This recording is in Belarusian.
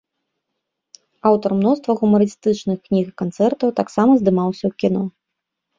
Аўтар мноства гумарыстычных кніг і канцэртаў, таксама здымаўся ў кіно.